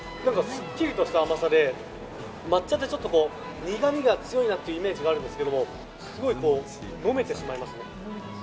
すっきりとした甘さで抹茶って、ちょっと苦みが強いなというイメージがあるんですがすごい飲めてしまいますね。